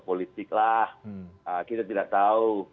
politik lah kita tidak tahu